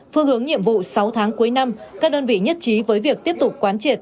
phương hướng nhiệm vụ sáu tháng cuối năm các đơn vị nhất trí với việc tiếp tục quán triệt